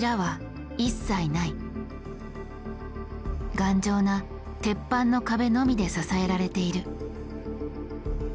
頑丈な鉄板の壁のみで支えられている。